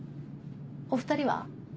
お２人は？